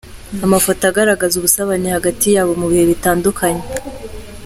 Amafoto agaragaza ubusabane hagati yabo mu bihe bitandukanye.